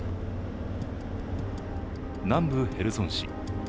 南部ヘルソン市。